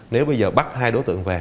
nếu bây giờ bắt hai đối tượng về